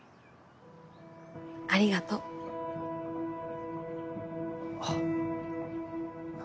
ありがとう。あっ。